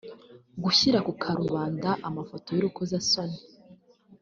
gushyira ku karubanda amafoto y’urukozasoni